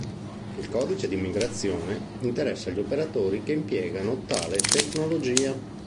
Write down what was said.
Il codice di migrazione interessa gli operatori che impiegano tale tecnologia.